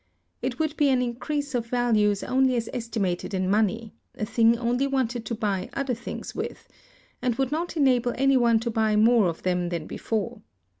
It would be an increase of values only as estimated in money, a thing only wanted to buy other things with; and would not enable any one to buy more of them than before.